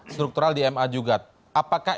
struktural di ma juga apakah